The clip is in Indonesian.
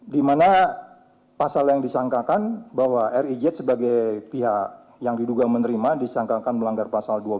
dimana pasal yang disangkakan bahwa riz sebagai pihak yang diduga menerima disangkakan melanggar pemerintah